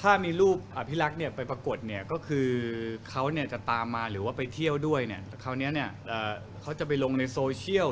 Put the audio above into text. ถ้ามีรูปพี่ลักษณ์ไปปรากฎก็คือเขานี่จะตามมาหรือว่าไปเที่ยวด้วยถ้าเขานี้เนี่ยเขาจะไปลงในโซเชียล